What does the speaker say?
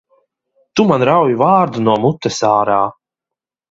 Tu man rauj vārdu no mutes ārā!